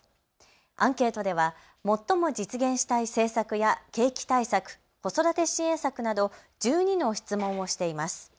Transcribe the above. アンケートでは最も実現したい政策や景気対策、子育て支援策など１２の質問をしています。